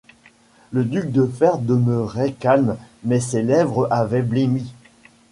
Le duc-de-fer demeurait calme, mais ses lèvres avaient blêmi.